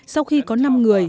sau khi có năm người